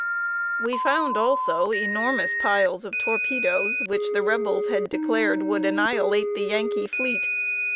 We found, also, enormous piles of torpedoes, which the Rebels had declared would annihilate the Yankee fleet.